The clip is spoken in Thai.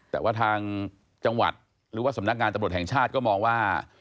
แต่ว่าทางจังหวัดหรือว่าสำนักงานตำรวจแห่งชาติก็มองว่า